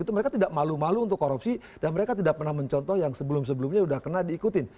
itu mereka tidak malu malu untuk korupsi dan mereka tidak pernah mencontoh yang sebelum sebelumnya sudah kena diikutin